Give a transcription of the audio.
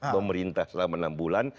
pemerintah selama enam bulan